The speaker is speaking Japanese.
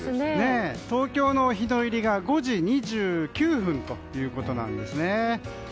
東京の日の入りが５時２９分ということなんですね。